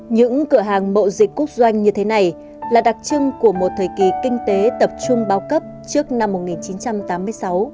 những cửa hàng mậu dịch quốc doanh như thế này là đặc trưng của một thời kỳ kinh tế tập trung bao cấp trước năm một nghìn chín trăm tám mươi sáu